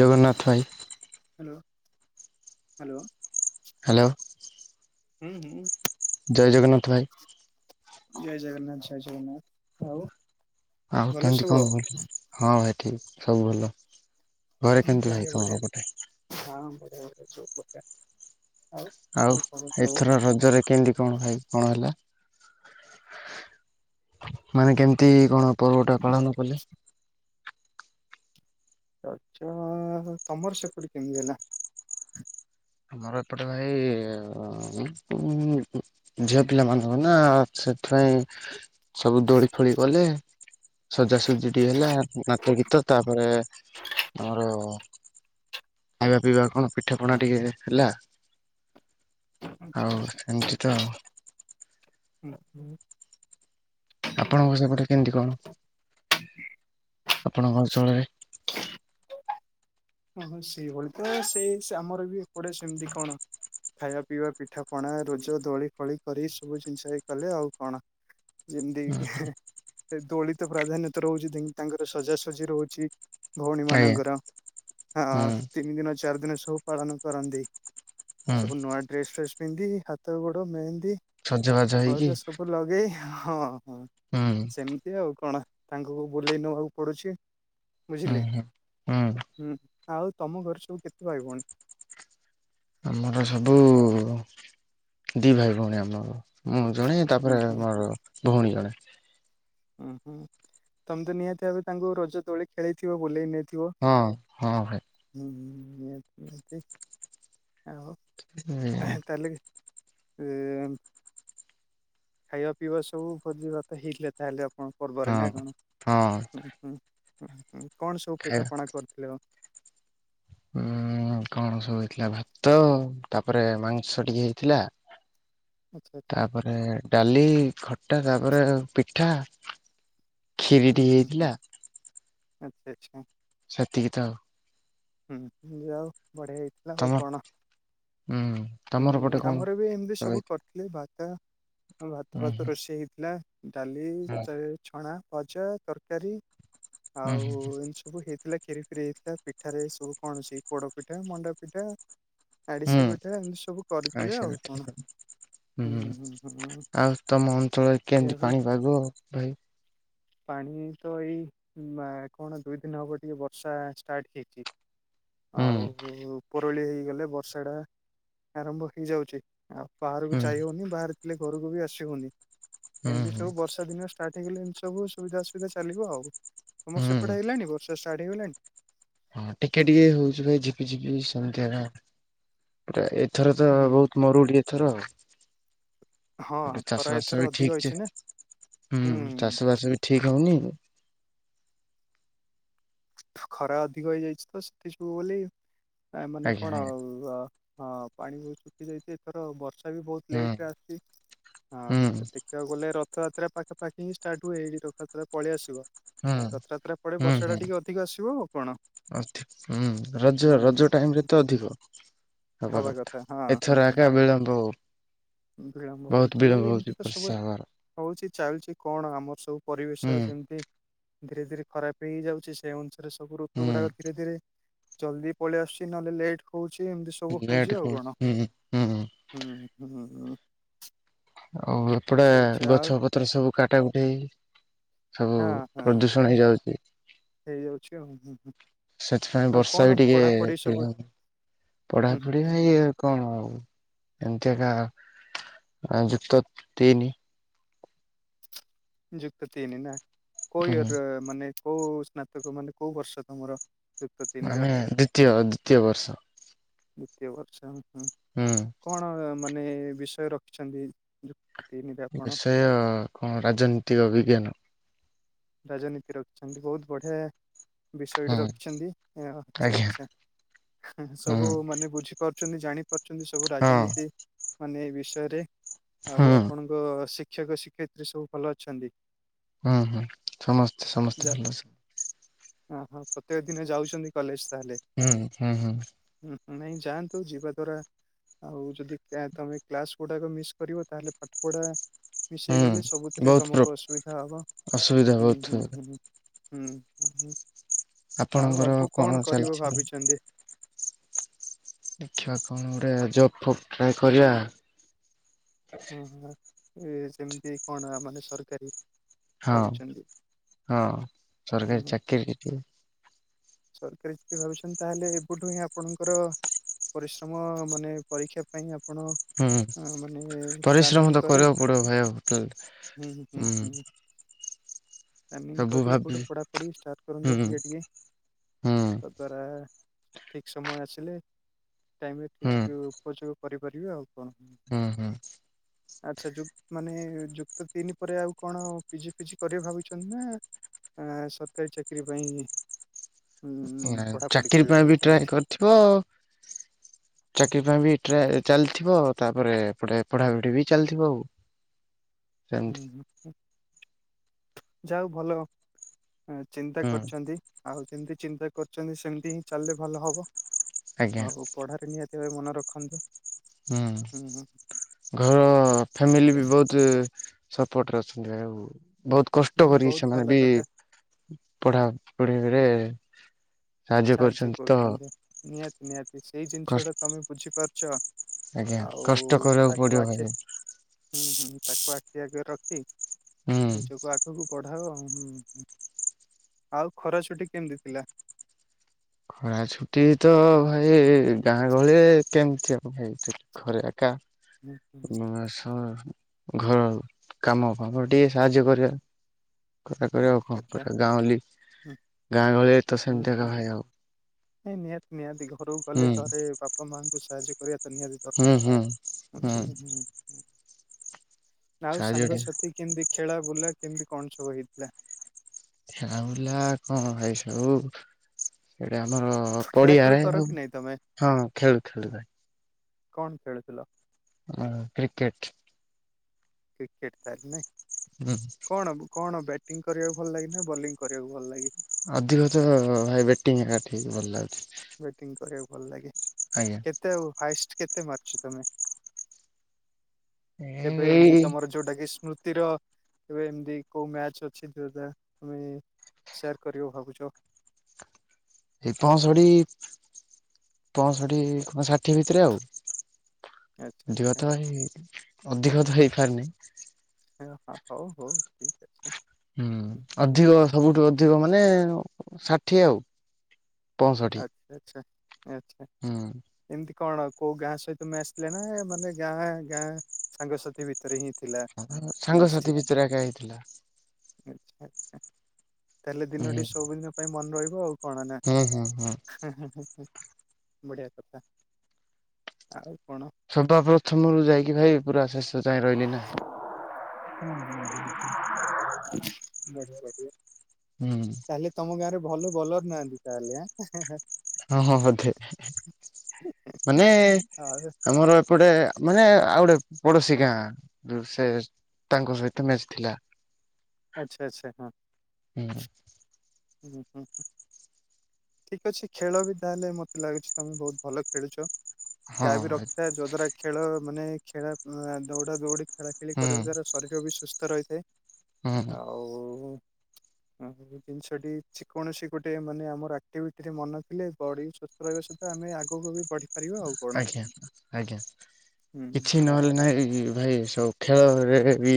ଜଗନ୍ନାଥ ଭାଇ। Hello hello! Hello! ହୁଁ ହୁଁ। ଜୟ ଜଗନ୍ନାଥ ଭାଇ। ଜୟ ଜଗନ୍ନାଥ, ଜୟ ଜଗନ୍ନାଥ, ଆଉ ଆଉ ଭଲ କେମିତି କଣ ସବୁ। ହଁ ଭାଇ ଠିକ, ସବୁ ଭଲ। ଘରେ କେମିତି ଭାଇ ବଢିଆ ତମର ବଢିଆ ପଟେ? ହଁ ବଢି ଆ ବଢିଆ ସବୁ ପ୍ରକାର ଆଉ ଏଥର ରଜରେ କେମିତି। କଣ ଭାଇ କଣ ହେଲା, ମାନେ କେମିତି କଣ। ପର୍ବଟା ପାଳନ କଲେ। ରଜ ତମର ସେପଟେ କେମିତି ହେଲା। ଆମର ଏପଟେ ଭାଇ। ହଁ ଝିଅ ପିଲାମାନଙ୍କୁ ନା ସେଥିପାଇଁ। ସବୁ ଦୋଳି ଫୋଳି କଲେ। ସଜାସଜି ଟିକେ ହେଲା ନାଚ ଗୀତ ତାପରେ ଆମର ଖାଇବା ପିଇବା କଣ ପିଠା ପଣା ଟିକେ ହେଲା। ଆଉ ଏମତି ତ ଆଉ। ଆପଣଙ୍କ ଘରସେପଟେ କେମିତି କଣ? ଆପଣଙ୍କ ଅଞ୍ଚଳରେ। ଓହୋ ସେଇଭଳି ତ ସେଇ ଆମର ବି ଏପଡେ ସେମିତି କଣ। ଖାଇବା, ପିଇବା, ପିଠା, ପଣା, ରୋଜ, ଦୋଳି, ଫୋଳି କରି ସବୁ ଜିନିଷ ଏଇ କଲେ ଆଉ କଣ। ଯେମିତିକି ଦୋଳିତ ପ୍ରାଧାନ୍ୟତା ରହୁଛି ଦେନ୍ ତାଙ୍କର ସଜାସଜି ରହୁଛି। ଭଉଣୀ ଆଜ୍ଞା। ମାନଙ୍କର। ହଁ ହୁଁ ତିନି ଦିନ ଚାରି ଦିନ ସବୁ ପାଳନ କରନ୍ତି। ହୁଁ ସବୁ ନୂଆ ଡ୍ରେସ ଫ୍ରେସ ପିନ୍ଧି ହାତ ଗୋଡ଼ ମେହେନ୍ଦୀ ସଜବାଜ ହେଇକି ଅଳତା ସବୁ ଲଗେଇ ହଁ ହଁ। ହୁଁ। ଏମତି ଆଉ କଣ? ତାଙ୍କୁ ବୁଲେଇ ନେବାକୁ ପଡୁଛି। ହୁଁ ବୁଝିଲେ? ହୁଁ। ହୁଁ। ହୁଁ। ଆଉ ତମ ଘରେ ସବୁ କେତେ ଭାଇ ଭଉଣୀ? ଆମର ସବୁ ଦି ଭାଇ ଭଉଣୀ ଆମର। ମୁଁ ଜଣେ ହୁଁ ତାପରେ ହୁଁ ଆମର ଭଉଣୀ ଜଣେ। ହୁଁ ହୁଁ। ତମେ ତ ନିହାତି ଭାବେ ତାଙ୍କୁ ରଜ ତୋଳି ଖେଳେଇଥିବ ବୁଲେଇ ନେଇ ହଁ ହଁ ଭାଇ। ହୁଁ ହୁଁ ନିହାତି ଭାବେ। ଆଉ ତାହଲେ? ଏମ୍ ଖାଇବା ପିଇବା ସବୁ ଭୋଜି ଭାତ ହେଇଥିଲା ତାହେଲେ ଆପଣଙ୍କ ପର୍ବରେ ନା ହଁ କଣ? ହଁ ହୁଁ। ହୁଁ ହୁଁ ହୁଁ କଣ ସବୁ ଖାଇବା ପିଠାପଣା କରିଥିଲେ ଆଉ? ହୁଁ। କଣ ସବୁ ହେଇଥିଲା ଭାତ ତାପରେ ମାଂସ ଟିକେ ହେଇଥିଲା। ଆଚ୍ଛା ଆଚ୍ଛା ତାପରେ ଡାଲି, ଖଟା, ତାପରେ ପିଠା। ଖିରି ହୁଁ ଟିକେ ହୁଁ ହୁଁ। ହେଇଥିଲା। ଆଚ ଆଚ୍ଛା ହଁ। ସେତିକି ଥାଉ। ହୁଁ ଯାହାହୋଉ ବଢିଆ ହେଇଛି। ହେଲା ହଉ ତମ କଣ? ଉଁ ତମର ପଟେ ହୁଁ କଣ? ଆମର ବି ଏମିତି ଉଁ ସବୁ କର ଲି ଭାତ ଭାତ ହୁଁ ଫାତ ହୁଁ ରୋଷେଇ ହେଇଥିଲା ଡାଲି ଚା ଛଣା ଭଜା ତରକାରୀ ହୁଁ ଆଉ ଏମିତି ସବୁ ହେଇଥିଲା କ୍ଷୀରି ଫିରି ହେଇଥିଲା ପି ପିଠାରେ ସବୁ କଣ ସେ ପୋଡ ପିଠା, ମଣ୍ଡା ପିଠା ଆଡିଶା ହୁଁ ପିଠା ଏମିତି ସବୁ ଆଇଁଷ କରିଥିଲେ ଆଉ ହେଇଥିଲା। କଣ। ହୁଁ। ଆଉ ତମ ଅଞ୍ଚଳରେ କେମିତି ଏବେ ପାଣିପାଗ ଭାଇ? ପାଣି ତ ଏଇ ଉଁ ନା କଣ ଦୁଇ ଦିନ ହବ ଟିକେ ବର୍ଷା ଷ୍ଟାର୍ଟ ହେଇଛି। ହୁଁ ଆଉ ଉପରଓଳି ହେଇଗଲେ ବର୍ଷାଟା ଆରମ୍ଭ ହେଇଯାଉଛି। ଆଉ ବାହାରକୁ ହୁଁ ଯାଇ ହଉନି। ବାହାରେ ଥିଲେ ଘରକୁ ବି ଆସି ହଉନି। ହୁଁ ଏମିତି ସବୁ ହୁଁ ବର୍ଷା ଦିନ ସ୍ ଷ୍ଟାର୍ଟ ହେଇଗଲେ ଏମତି ସବୁ ସୁବିଧା ଅସୁବିଧା ଚାଲିବ ଆଉ। ତମର ହୁଁ ସେପଟେ ହେଲାଣି ବର୍ଷା ଷ୍ଟାର୍ଟ ହେଇଗଲାଣି? ହଁ ଟିକେ ଟିକେ ହଉଛି ଭାଇ ଝିପିଝିପି ସେମତି ହେଣା ଆଉ। ଏଟା, ଏଥର ତ ହୁଁ ବହୁତ ମରୁଡି ଏଥର ଆଉ। ହଁ ପରେ ଖରା ଚାଷ ଏଥର ବାସ ବି ଅଧିକ ଠିକ ଚେ ହେଇଛି ନା ହୁଁ ହୁଁ ଚାଷ ବାସ ବି ଠିକ୍ ହଉନି। ଖରା ଅଧିକ ହେଇଯାଇଛି ତ ସେଥି ସବୁ ବୋଲି ଆ ମାନେ ଆଜ୍ଞା କଣ ଆଜ୍ଞା ଆଉ ଆ ହଁ ପାଣି ବହୁତ ଶୁଖି ଯାଇଛି ଏଥର ଆଉ। ବର୍ଷା ବି ବହୁତ ହୁଁ ଲେଟ ରେ ଆସିଚି। ହୁଁ ହଁ ଦେଖ ଖିବାକୁ ଗଲେ ରଥଯାତ୍ରା ପାଖପାଖି ହିଁ ଷ୍ଟାର୍ଟ ହୁଏ ଏଇଠି ରଥଯାତ୍ରା ପଳେଇଆସିବ। ହୁଁ ରଥଯାତ୍ରା ପଡେ ବର୍ଷା ଟା ଟିକେ ଅଧିକ ଆସିବ ଆଉ କଣ। ଅ ଥି ହୁଁ ରଜ ହୁଁ। ରଜ ଟାଇମରେ ତ ଅଧିକ। ହବା ହବାକଥା। କଥା ହଁ ହଁ ଏଥର ଆକା ବିଳମ୍ବ ହୋଉ। ବିଳମ୍ବ ହଉଛି ବହୁତ ଏଇ ବିଳମ୍ବ ଏମିତି ହୋଉଛି ତ ସବୁ ବର୍ଷା ହବାର। ହଉଛି ଚାଲୁଛି କଣ? ଆମର ସବୁ ପରିବେଶ ହୁଁ ଯେମିତି ଧୀରେ ଧୀରେ ଖରାପ ହେଇ ହେଇ ଯାଉଛି। ସେଇ ଅନୁସାରେ ସବୁ ଋତୁ ଗୁଡାକ ହୁଁ ଧୀରେ ଧୀରେ ଜଲଦି ପଳେଇ ଆସୁଛି ନହେଲେ ଲେଟ୍ ହଉଛି। ଏମତି ସବୁ ହଉଛି ଲେଟ ଆଉ କୁ କଣ ହୁଁ ହୁଁ। ହୁଁ ହୁଁ। ଆଉ ଏପଟେ ଆଚ୍ଛା ଆଚ୍ଛା ଆଉ ଗଛ ପତ୍ର ସବୁ କାଟା କୁଟି‌ ସବୁ ହଁ ହଁ ପ୍ରଦୂଷି ହେଇଯାଉଛି। ହେଇଯାଉଛି ଆଉ ହୁଁ ହୁଁ। ସେଥିପାଇଁ ଆଉ ବର୍ଷା କଣ ବି ପଢାପଢି ଟିକେ ସବୁ ହୁଁ ପଢାପଢି ହୁଁ ଇଏ। କଣ ଆଉ ଏମିତି ଏକା ଯୁକ୍ତ ତିନି। ଯୁକ୍ତ ତିନି ନା କୋଉ ହୁଁ ୟର ମାନେ କୋଉ ସ୍ନାତକ ମାନେ କୋଉ ବର୍ଷ ତମର? ଯୁକ୍ତ ତିନିର ଆମେ ଦ୍ଵିତୀୟ ଦ୍ଵିତୀୟ ବର୍ଷ। ଦ୍ୱିତୀୟ ବର୍ଷା ହୁଁ‌। ହୁଁ। କଣ ମାନେ ବିଷୟ ରଖିଛନ୍ତି? ତିନିରେ ଆପଣ ବିଷୟ କଣ ରାଜନୈତିକ ବିଜ୍ଞାନ। ରାଜନୀତି ରଖିଛନ୍ତି ବହୁତ ବଢ଼ିଆ। ବିଷୟଟା ହୁଁ ରଖିଛନ୍ତି ଆଛା ଆଜ୍ଞା ଆଚ୍ଛା ସବୁ ହୁଁ। ମାନେ ବୁଝି। ବୁଝି ପାରୁଛନ୍ତି ଜାଣି ପାରୁଛନ୍ତି ସବୁ ହଁ ରାଜନୀତି ମାନେ ବିଷୟରେ ହୁଁ ଆଉ ଆପଣଙ୍କ ତୋ ଶିକ୍ଷକ ଶିକ୍ଷୟତ୍ରୀ ସବୁ ଭଲ ଅଛନ୍ତି। ହୁଁ ହୁଁ ସମସ୍ତେ ସମସ୍ତେ ଯା ଭଲ ଅଛନ୍ତି। ଓହୋ ପ୍ରତ୍ୟେକ ଦିନ ଯାଉଛନ୍ତି କଲେଜ ତାହେଲେ। ହୁଁ ହୁଁ ହୁଁ। ହୁଁ ନାଇଁ ଯାଆନ୍ତୁ ଯିବା ଦ୍ଵାରା ଆଉ ଯଦି ତମେ କ୍ଲାସ ଗୁଡାକ ମିସ୍ କରିବ ତାହେଲେ ପାଠ ପଢା ମିସ୍ ହୁଁ ହୋଇଗଲେ ସବୁଥିରେ ବହୁତ ପ୍ର ତମକୁ ଅସୁବିଧା ହବ। ଅସୁବିଧା ହୁଁ ବହୁତ ହୁଁ ହୁଁ ହୁଁ ହ ହ। ଆଉ ଆପଣଙ୍କର ଆଗକୁ କଣ କରିବ ଚାଲିଛି? ଭାବିଛନ୍ତି? [inaudible] ଦେଖିବା କଣ ଗୋଟେ ଜବ ଫଫ୍ ଟ୍ରାଏ କରିବା। ହଁ ହଁ ଏ ସେମିତି କଣ ମାନେ ସରକାରୀ। ହଁ ଭାବିଛନ୍ତି? ହଁ ହୁଁ ସରକାରୀ ଚାକିରି। [unintelligible] ସରକାର ଯଦି ଭାବୁଛନ୍ତି ତାହେଲେ ଏବଠୁ ହିଁ ଆପଣଙ୍କର ପରିଶ୍ରମ ମାନେ ପରୀକ୍ଷା ପାଇଁ ଆପଣ ହୁଁ ମାନେ ପ୍ଲାନିଂ ପରିଶ୍ରମ ତ କରି କରିବାକୁ ପଡ଼ିବ ହୁଁ ଭାଇଉ ହୁଁ। ପ୍ଲାନିଙ୍ଗି ସବୁ କରି ଭାବି ଏଠୁ ପଢ଼ାପଢ଼ି ଷ୍ଟାର୍ଟ ହୁଁ କରନ୍ତୁ ଟିକେ ହୁଁ ଟିକେ। [unintelligible] ଠିକ ସମୟ ଆସିଲେ ଟାଇମରେ ହୁଁ ଠିକ ଉପଯୋଗ କରିପାରିବେ ଆଉ କଣ। ହୁଁ ହୁଁ। ଆଚ୍ଛା ଯୁକ୍ ମାନେ ଯୁକ୍ତ ତିନି ପରେ ଆଉ କଣ ପିଜି ଫିଜି କରିବେ ଭାବିଛନ୍ତି ନା? ଆ ସରକାରୀ ଚାକିରିୀ ପାଇଁଁ ହିଁ ପଢାପଢି କରିବେ ଭାବିଛନ୍ତି। ହଁ। ଚାକିରୀ ପାଇଁ ବି ଟ୍ରାଏ ଚାଲିଥିବ ତାପରେ ପଢାପଢି ବି ଚାଲିଥିବ ଆଉ। [inaudible] ହୁଁ ହୁଁ ଯାହା ହୋଉ ଭଲ ଚିନ୍ତା ହୁଁ କରିଛନ୍ତି। ଆଉ ଯେମିତି ଚିନ୍ତା କରିଛନ୍ତି ସେମିତି ହିଁ ଚାଲିଲେ ଭଲ ହବ ଆଜ୍ଞା ଆଉ। ପଢ଼ାରେ ନିହାତି ଭାବେ ମନ ରଖନ୍ତୁ। ହୁଁ ଘର ଫ୍ୟାମିଲି ଠିକ ବି ଅଛି ବହୁତୁ ସପୋଟରେ ଅଛନ୍ତି ଆଉ ବହୁତ କଷ୍ଟ ନାଇଁ କରି ବହୁତ ସେମାନେ ଭଲ ବି କଥା। ପଢ଼ା ପଢ଼ିରେ ସାହାଯ୍ୟ କରୁଛନ୍ତି ନିହାତି ନିହାତି ସେଇ ଜିନିଷଟା କଷ୍ଟ ତମେ ବୁଝିପାରୁଚ। ଆଜ୍ଞା ଆଉ କଷ୍ଟ କରିବାକୁ ତାକୁ ପଡିବ ଭାଇ ଆଖେ ହୁଁ ହୁଁ ତାକୁ ଆଖି ଆଗରେ ରଖି ନିଜକୁ ଆ ତକୁ ପଢାଅ ହୁଁ ଆଉ ଖରାଛୁଟି କେମିତି ଥିଲା? ଖରା ଛୁଟି ତ ଭାଇ ଗାଁ ଗହଳି କେମିତି ଆଉ ଭାଇ ଥି ଘରେ ଆକା ହୁଁ ହୁଁ ନୁ ଆସ ଘର କାମ ଫାମ ଟିକେ ସାହାଯ୍ୟ କରିବା। କଥା କରିଆ ଆଉ ଆଚ୍ଛା କଣ ଆଚ୍ଛା କରିଆ ଗାଁଉଲି ହୁଁ ଗାଁ ଗହଳିରେ ତ ସେମତି ଆକା ଭାଇ ଆଉ। ଏଇ ନିହାତି ନିହାତି ଘରୁକୁ ହୁଁ ଗଲେ ଘରେ ବା ପା ମାଙ୍କୁ ସାହାଯ୍ୟ କରିବା ତ ନିହାତି ହୁଁ ହୁଁ। ଦରକାର୍ ଆଚୁଲି ହୁଁ ହୁଁ। ଆଉ ସାହାଯ୍ୟ ଟିକେ ସାଙ୍ଗସାଥି କେମତି ଖେଳା ବୁଲା କେମତି କଣ ସବୁ ହେଇଥିଲା? ଖେଳା ବୁଲା କଣ ଭାଇ ସବୁ ଏଇଟା ଆମର ଖେଳା ଖେଳି ପଡ଼ିଆରେ କର ଆଉ କି ନାଇଁ ତମେ? ହଁ ଖେଳୁଥୁଲୁ ଭାଇ। କଣ ଖେଳୁଥିଲ? ଆ କ୍ରିକେଟ୍। କ୍ରିକେଟ ତାର ନାଇଁ? ହଁ। କଣ କଣ ବ୍ୟାଟିଂ କରିବାକୁ ଭଲ ଲାଗେ ନା ବୋଲିଂ କରିବାକୁ ଭଲ ଲାଗେ? ଅଧିକ ତ ଭାଇ ବେଟିଂ ଏକା ଠିକ୍ ଭଲ ଲାଗୁଚି। ବେଟିଂ କରିଆଉ ଭଲ୍ ଲାଗେ। ଆଜ୍ଞା। ତେ‌‌ ଆଉ ହାଏଷ୍ଟ୍ କେତେ ମାରିଚ ତମେ? ଏ ଏଇ କେବେ ଏମତି ଏଇ ତମର ଯୋଉଟା କି ସ୍ମୃତିର ଏବେ ଏମତି କୋଉ ମ୍ୟାଚ୍ ଅଛି ଯୋଉଟା ତମେ ସେୟାର୍ କରିବ ଭାବୁଚ। ଏ ପଁଷଠି ପଁଷଠି କ ଷାଠିଏ ଭିତରେ ଆଉ। ଆଚ୍ଛା ଧିଅ ଆଚ୍ଛା ତ ହେଇ ଅଧିକ ତ ହେଇପାରିନି। ହେ ହଁ ହଉ ହଉ ଠିକ୍ ଅଛି। ହୁଁ ଅଧିକ ସବୁଠୁ ଅଧିକ ମାନେ ଷାଠିଏ ଆଉ। ପଁଷଠି। ହେଚ୍ଛା ଆଚ୍ଛା। ହଁ। ଏମତି କଣ କୋଉ ଗାଁ ସହିତ ମ୍ୟାଚ୍ ଥିଲା ନା ମାନେ ଗାଁ ଗାଁ ସାଙ୍ଗସାଥି ଭିତରେ ହିଁ ଥିଲା ଅ ହଁ ମ୍ୟାଚ୍ ଟି ସାଙ୍ଗସାଥି ଭିତରେ ଆକା ହେଇଥିଲା। ଆଚ୍ଛା ଆଚ୍ଛା ତାହେଲେ ଦିନଟି ସବୁଦିନ ପାଇଁ ମନ ରହିବ, ଆଉ କଣ ନା? ହଁ ହଁ ହଁ। ବଢ଼ିଆ କଥା ଆଉ କଣ? ସଦା ପ୍ରଥମରୁୁ ଯାଇକି ଭାଇ ପୁରା ଶେଷ ଯଏଁ ରହିଲି ନା। ବଢ଼ିଆ ବାଟି ହୁଁ। ତାହେଲେ ତମ ଗାଁରେ ଭଲ ବୋଲର ନାହାନ୍ତି ତାହେଲେ ଆଁ? ହଁ ହଁ ଅଧେ ମାନେ ଆଉ ଆମର ପଟେ ମାନେ ଆଉ ଗୋଟେ ପଡୋଶୀ ଗାଁ, ସେ ତାଙ୍କ ସହିତ ମ୍ୟାଚ୍ ଥିଲା। ଆଚ୍ଛା, ଆଚ୍ଛା, ହଁ। ହୁଁ ହୁଁ, ହୁଁ। ଠିକ୍ ଅଛି, ଖେଳ ବି ତାହେଲେ ମତେ ଲାଗୁଛି, ତମେ ବହୁତ ଭଲ ଖେଳୁଛ। ହଁ ତା ବି ରଖିଥାଏ। ଯଦ୍ଵାରା ଖେଳ, ମାନେ ଖେଳା ଦୌଡ଼ାଦୌଡ଼ି, ଖେଳାଖେଳି, ହୁଁ କରିବା ଦ୍ଵାରା ଶରୀର ବି ସୁସ୍ଥ ରହିଥାଏ। ହୁଁ। ଆଉ-ଉ ଉଁ ଜିନିଷଟି ଯେ କୌଣସି ଗୋଟେ ମାନେ ଆମର ଏମିତି ଭିତରେ ମନ ଥିଲେ ବଢ଼ି ସ୍ୱସ୍ଥ ରହିବା ସହିତ ଆମେ ଆଗକୁ ବି ବଢ଼ି ଆଜ୍ଞା, ଆଜ୍ଞା, ହୁଁ କିଛି ହୁଁ ନହେଲେ ନାହିଁ ଭାଇ, ସବୁ ଖେଳରେ ବି,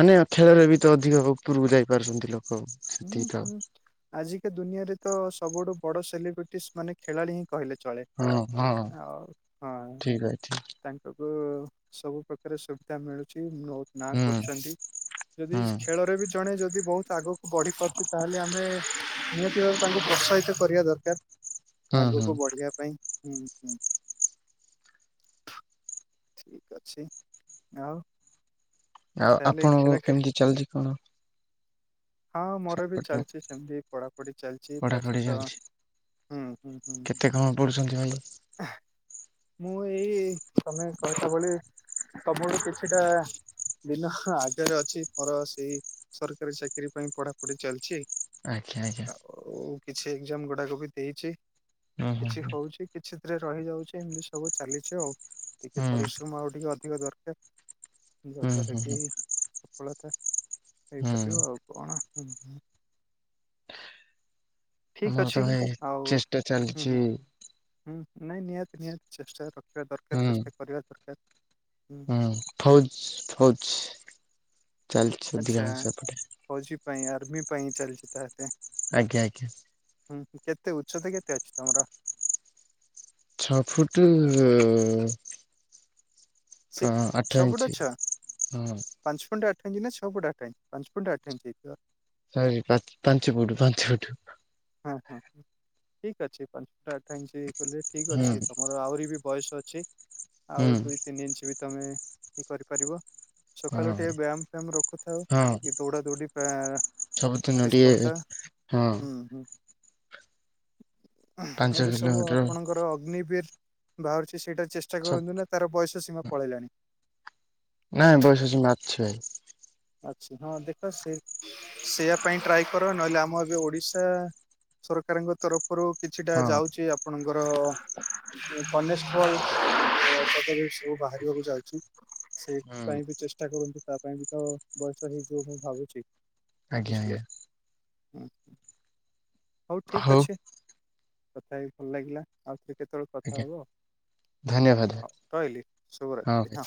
ମାନେ ଖେଳରେ ବି ତ ଅଧିକ ଉପରକୁ ଯାଇପାରୁଛନ୍ତି ଲୋକ। ହୁଁ, ସେତିକି ତ ହୁଁ। ଆଜିକା ଦୁନିଆରେ ତ ସବୁଠୁ ବଡ ସେଲିବ୍ରିଟିସ୍‌ ମାନେ ଖେଳାଳି ହିଁ, କହିଲେ ଚଳେ। ହଁ, ହଁ, ଆଉ ହଁ ଠିକ୍ ଅଛି। ତାଙ୍କକୁ ସବୁ ପ୍ରକାର ସୁବିଧା ମିଳୁଛି। ନ ନା ହୁଁ କରୁଛନ୍ତି, ଯଦି ହୁଁ ଖେଳରେ ବି ଜଣେ ଯଦି ବହୁତ ଆଗ ବଢ଼ି ପାରୁଛି, ତାହେଲେ ଆମେ ନିହାତି ଭାଵେ ତାଙ୍କୁ ପ୍ରୋତ୍ସାହିତ କରିବା ଦରକାର। ହୁଁ ହୁଁ ଆଗକୁ ବଢ଼ିବା ପାଇଁ। ହୁଁ, ହୁଁ। ଠିକ୍ ଅଛି, ଆଉ। ଆଉ ତାହେଲେ ଆପଣଙ୍କ ଖେଳ ଖେଳ କେମିତି ଚାଲିଛି କଣ? ହଁ, ମୋର ବି ସେପଟର ଚାଲିଛି, ସେମତି ପଢ଼ା ପଢ଼ି ଚାଲିଛି, ତା ପଢାପଢି ସହିତ ଚାଲିଛି ହୁଁ, ହୁଁ, ହୁଁ। କେତେ କଣ ପଢୁଛନ୍ତି ଭାଇ। ମୁଁ ଏଇ ତମେ [unintelligible] ଭଳି ତମର କିଛିଟା ଦିନ ଆଗରେ ଅଛି, ମୋର ସେଇ ସରକାରୀ ଚାକିରି ପାଇଁ ପଢ଼ାପଢ଼ି ଚାଲିଛି। ଆଜ୍ଞା, ଆଜ୍ଞା। ଆଉ କିଛି ଏକ୍ଜାମ୍ ଗୁଡ଼ାକ ବି ଦେଇଛି, ହୁଁ ହୁଁ କିଛି ହୁଁ ହଉଛି କିଛିଥିରେ ରହିଯାଉଛି, ଏମିତି ସବୁ ଚାଲିଛି ଆଉ। ସେ ହୁଁ ପରିଶ୍ରମ ଆଉ ଟିକେ ଅଧିକ ଦରକାର, ଯାହାଦ୍ଵାରା ହୁଁ କି ହୁଁ ସଫଳତା ହୁଁ ହେଇପାରିବ। ଆଉ କଣ? ଠିକ୍ ଆମର ତ ଅଛି, ଭାଇ ଆଉ। ଚେଷ୍ଟା ହୁଁ, ଚାଲିଛି ହୁଁ। ହୁଁ, ନାଇଁ, ନିହାତି, ନିହାତି, ଚେଷ୍ଟା ରଖିବା ଦରକାର, ହୁଁ ଚେଷ୍ଟା କରିବା ଦରକାର। ହୁଁ, ଫଉଜ୍‌, ଫଉଜ୍‌ ଚାଲିଛି ଆଚ୍ଛା ଅଧିକାଂଶ ଏପଟେ। ଫୌଜି ପାଇଁ ଆର୍ମି ପାଇଁ ଚାଲିଛି ତାହେଲେ। ଆଜ୍ଞା, ଆଜ୍ଞା। ହୁଁ, କେତେ ଉଚ୍ଛତା, କେତେ ଅଛି ତମର? ଛଅ ଫୁଟ୍ ହ, ସିକ୍ ଆଠ ଛଅ ଫୁଟ ଇଞ୍ଚ, ଛଅ ହଁ। ପାଞ୍ଚ ଫୁଟ୍ ଆଠଇଞ୍ଚ ନା ଛଅ ଫୁଟ୍ ଆଠଇଞ୍ଚ? ପାଞ୍ଚ ଫୁଟ୍ ଆଠଇଞ୍ଚ ହେଇଥିବ। ଚାରି ପା ପାଞ୍ଚ ଫୁଟ୍, ପାଞ୍ଚ ଫୁଟ୍। ହଁ, ହଁ, ଠିକ୍ ଅଛି। ପାଞ୍ଚଟା ଆଠ ଇଞ୍ଚ କଲେ ଠିକ୍ ହୁଁ ଅଛି। ତମେ ମୋହର ଆହୁରି ବି ବୟସ ଅଛି, ହୁଁ ଆଉ ଦୁଇ ତିନି ଇଞ୍ଚ ବି ତମେ କରିପାରିବ। ସଖାଳୁ ହଁ ଟିକେ ଭାଇ ବ୍ୟାୟାମ ଫ୍ୟାୟମ ରଖୁଥାଉ, ହଁ ଟିକେ ଦୌଡା ଦୌଡି ସବୁଦିନ ପ୍ରାକ୍ଟିସ୍ ଟିକେ କରଥା। ହଁ ହୁଁ, ହୁଁ। ପାଞ୍ଚ ଏବେ ସବୁ କିଲୋମିଟର ଆପଣଙ୍କର ଅଗ୍ନିବିର ବାହାରୁଚି ସେଇଟା ଚେଷ୍ଟା ସବ କରନ୍ତୁ ନା - ତାର ବୟସ ସୀମା ପଳେଇଲାଣି ନାଇଁ ବୟସ ସୀମା ଅଛି ଭାଇ ଆଛି ହଁ ଦେଖ ସେ ସେଇଆ ପାଇଁ ଟ୍ରାଏ କର ନହେଲେ ଆମ ଏବେ ଓଡ଼ିଶା ସରକାରଙ୍କ ତରଫରୁ କିଛିଟା ହଁ ଯାଉଚି ଆପ୍ - ଆପଣଙ୍କର କନେଷ୍ଟବଳ ପଦବୀ ସବୁ ବାହାରିବାକୁ ଯାଉଚି - ହୁଁ ସେଇଥିପାଇଁ ବି ଚେଷ୍ଟା କରନ୍ତୁ ତା ପାଇଁ ବି ତ ବୟସ ହେଇଯିବ ମୁଁ ଭାବୁଚି - ଆଜ୍ଞା ବୁଝିଲେ ଆଜ୍ଞା ହୁଁ ହଉ ଠିକ ଅଛି କଥା ହେଇ ଭଲ ଲାଗିଲା - ଆଉ କି କେତେବେଳେ କଥା ଆଜ୍ଞା ହବ ଧନ୍ୟବାଦ ହଉ ଭାଇ ରହିଲି ଶୁଭରାତ୍ରି ହଁ